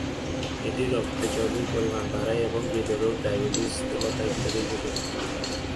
এটি রক্তে চর্বির পরিমাণ বাড়ায় এবং হূদেরাগ, ডায়াবেটিস, স্থূলতা ইত্যাদির ঝুঁকি বাড়ায়।